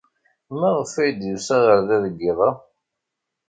Maɣef ay d-yusa ɣer da deg yiḍ-a?